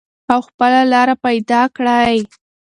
او خپله لار پیدا کړئ.